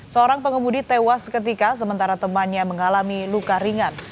seorang pengemudi tewas seketika sementara temannya mengalami luka ringan